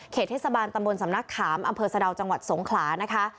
เทศบาลตำบลสำนักขามอำเภอสะดาวจังหวัดสงขลานะคะ